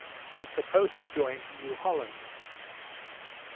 and supposed to join to New Holland.